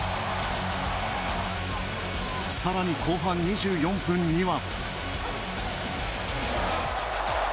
さらに後半２４分には。